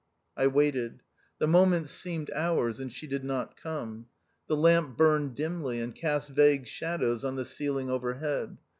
THE OUTCAST. 167 I waited. The moments seemed hours, and she did not come. The lamp burned dimly, and cast vague shadows on the ceilinf overhead.